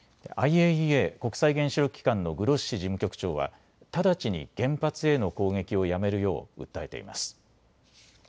ＩＡＥＡ・国際原子力機関のグロッシ事務局長は直ちに原発への攻撃をやめるよう訴えています。